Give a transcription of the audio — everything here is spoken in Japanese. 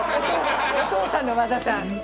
お父さんの和田さん。